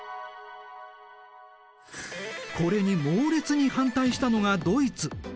これに猛烈に反対したのがドイツ。